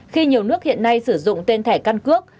khi nhiều nước hiện nay sử dụng tên thẻ căn cước